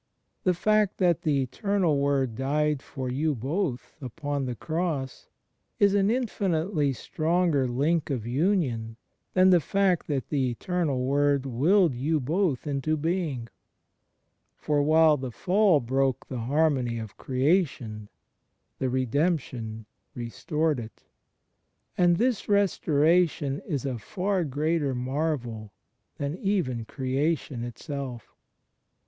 The fact that the Eternal Word died for you both upon the Cross is an infinitely stronger link of union than the fact that the Eternal Word willed you both into being. For 132 THE FRIENDSHIP OF CHBIST while the Fall broke the harmony of creation, the Re demption restored it; and this restoration is a far greater marvel than even Creation itself.